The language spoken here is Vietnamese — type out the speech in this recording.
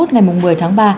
ngày một mươi tháng ba